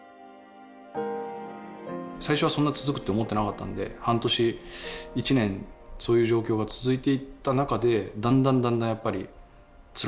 最初はそんな続くって思ってなかったんで半年１年そういう状況が続いていった中でだんだんだんだんやっぱりつらくなってきて。